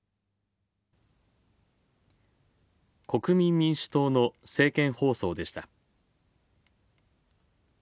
国民民主党の政見放送でした。